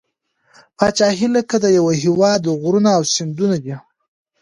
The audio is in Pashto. پاچهي لکه د یوه هیواد غرونه او سیندونه ده.